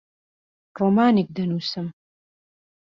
ڕۆمانێک دەنووسم.